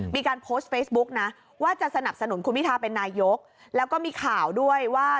มีการโพสต์เฟซบุ๊กนะว่าจะสนับสนุนคุณพิทาเป็นนายกแล้วก็มีข่าวด้วยว่า